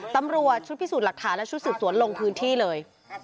ตำรวจชุดพิสูจน์หลักฐานและชุดสืบสวนลงพื้นที่เลย